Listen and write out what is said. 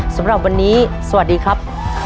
สำหรับวันนี้สวัสดีครับ